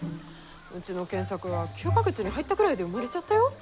うちの健作は９か月に入ったぐらいで生まれちゃったよ。